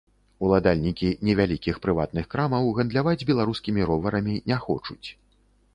Уладальнікі невялікіх прыватных крамаў гандляваць беларускімі роварамі не хочуць.